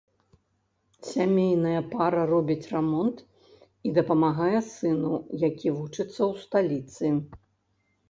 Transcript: Сямейная пара робіць рамонт і дапамагае сыну, які вучыцца ў сталіцы.